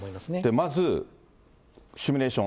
まず、シミュレーション。